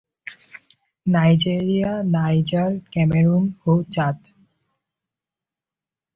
Nigeria, Niger, Cameroon ও চাদ।